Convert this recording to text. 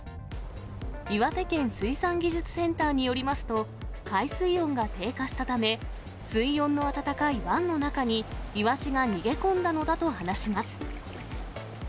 岩手県水産技術センターによりますと、海水温が低下したため、水温の暖かい湾の中に、イワシが逃げ込んだのだと話します。